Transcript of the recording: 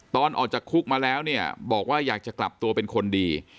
ตอนออกจากคุกมาแล้วเนี่ยบอกว่าอยากจะกลับตัวเป็นคนดี